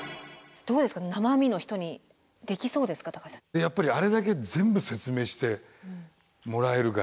やっぱりあれだけ全部説明してもらえるから。